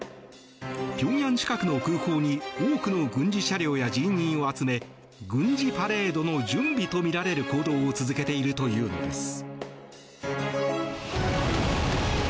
平壌近くの空港に多くの軍事車両や人員を集め軍事パレードの準備とみられる行動を続けているというのです。